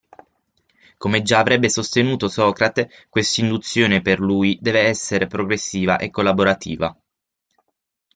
Come già avrebbe sostenuto Socrate, quest'induzione per lui deve essere progressiva e collaborativa.